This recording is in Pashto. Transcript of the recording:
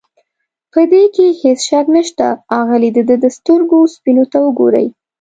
په دې کې هېڅ شک نشته، اغلې د ده د سترګو سپینو ته وګورئ.